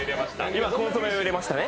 今、コンソメを入れましたね